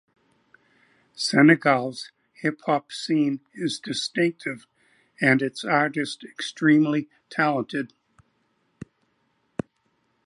Senegal's hip hop scene is distinctive and its artist extremely talented.